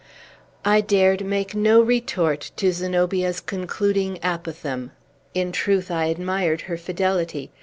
I dared make no retort to Zenobia's concluding apothegm. In truth, I admired her fidelity.